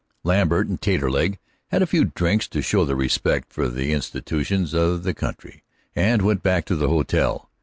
Lambert and Taterleg had a few drinks to show their respect for the institutions of the country, and went back to the hotel.